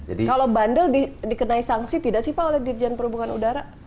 kalau bandel dikenai sanksi tidak sih pak oleh dirjen perhubungan udara